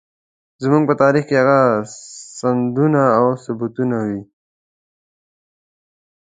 زموږ په تاريخ کې هغه سندونه او ثبوتونه وي.